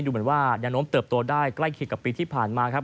ดูเหมือนว่าแนวโน้มเติบโตได้ใกล้เคียงกับปีที่ผ่านมาครับ